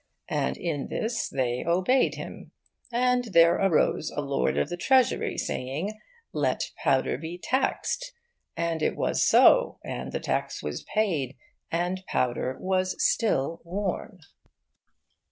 And in this they obeyed him. And there arose a Lord of the Treasury, saying, 'Let powder be taxed.' And it was so, and the tax was paid, and powder was still worn.